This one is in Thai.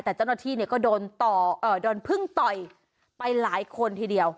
แต่เจ้าหน้าที่เนี่ยก็โดนต่อโดนพึ่งต่อยไปหลายคนทีเดียว